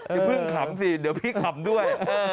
อย่าเพิ่งขำสิเดี๋ยวพี่ขำด้วย